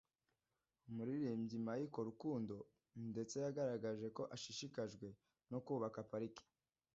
umuririmbyi Michael Rukundo ndetse yagaragaje ko ashishikajwe no kubaka parike